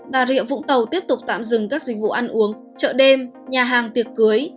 bà rịa vũng tàu tiếp tục tạm dừng các dịch vụ ăn uống chợ đêm nhà hàng tiệc cưới